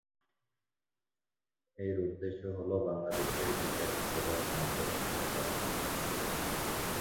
এর উদ্দেশ্য হলো বাংলাদেশের বিচারিক সেবার মান পরীক্ষা করা।